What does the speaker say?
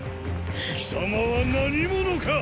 貴様は何者か信！